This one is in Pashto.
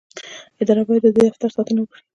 اداره باید د دې دفتر ساتنه وکړي.